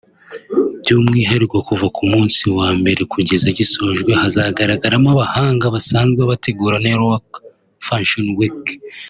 by’umwihariko kuva ku munsi wa mbere kugeza gisojwe hazagaragaramo abahanga basanzwe bategura New York Fashion Weeek